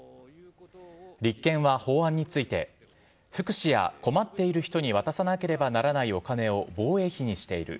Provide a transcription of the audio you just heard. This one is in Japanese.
立憲は法案について、福祉や困っている人に渡さなければならないお金を防衛費にしている。